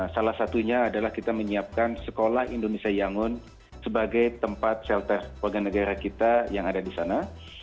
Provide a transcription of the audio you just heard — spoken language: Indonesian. salah satunya adalah kita menyiapkan sekolah indonesia yangon sebagai tempat shelter warga negara kita yang ada di sana